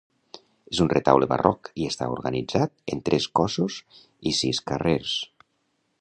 És un retaule barroc i està organitzat en tres cossos i sis carrers.